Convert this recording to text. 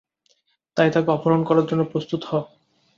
তাই, তাকে অপহরণ করার জন্য প্রস্তুত হ!